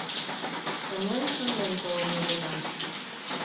Шымлен-шымлен толын улына